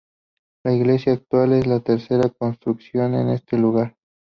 La iglesia actual, es la tercera construcción en este lugar.